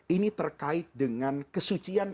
ini terkait dengan kesucian